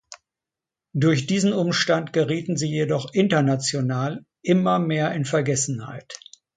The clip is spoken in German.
Durch diesen Umstand gerieten sie jedoch international immer mehr in Vergessenheit.